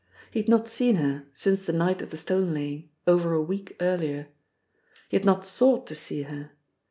He had not seen her since the night of the stone laying, over a week earlier. He had not sought to see her.